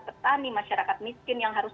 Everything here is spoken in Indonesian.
petani masyarakat miskin yang harus